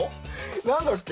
何だっけ？